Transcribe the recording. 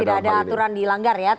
jadi tidak ada aturan yang dilanggar ya